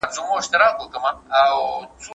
ایا د هغوی نظریات ګټور دي؟